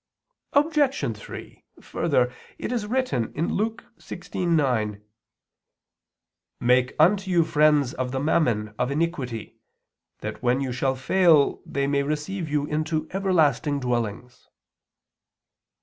Obj. 3: Further, it is written (Luke 16:9): "Make unto you friends of the mammon of iniquity, that when you shall fail they may receive you into everlasting dwellings."